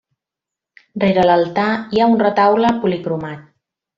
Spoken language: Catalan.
Rere l'altar hi ha un retaule policromat.